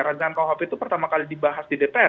ruhp itu pertama kali dibahas di dpr